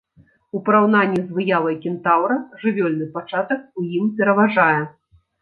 У параўнанні з выявай кентаўра жывёльны пачатак у ім пераважае.